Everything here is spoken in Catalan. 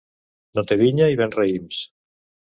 No té vinya i ven raïms.